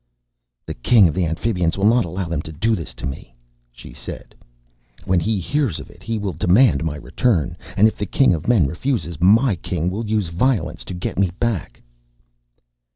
"The King of the Amphibians will not allow them to do this to me," she said. "When he hears of it he will demand my return. And if the King of Men refuses, my King will use violence to get me back."